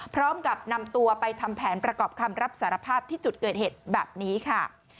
พร้อมกับนำตัวไปทำแผนประกอบคำรับสารภาพที่จุดเกิดเหตุแบบนี้ค่ะ